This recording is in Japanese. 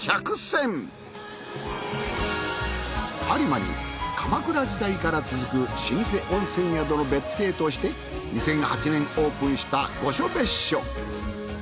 有馬に鎌倉時代から続く老舗温泉宿の別邸として２００８年オープンした御所別墅。